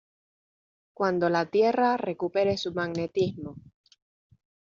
cuando la Tierra recupere su magnetismo